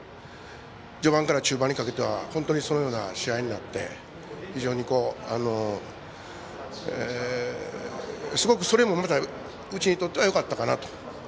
序盤から中盤にかけては本当にそのような試合になって非常にすごく、それもまたうちにとってはよかったかなと。